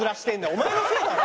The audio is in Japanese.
お前のせいだろ！